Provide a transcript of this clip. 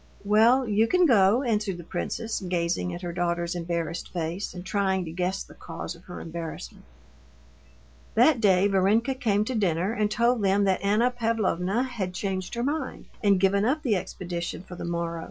"Well, you can go," answered the princess, gazing at her daughter's embarrassed face and trying to guess the cause of her embarrassment. That day Varenka came to dinner and told them that Anna Pavlovna had changed her mind and given up the expedition for the morrow.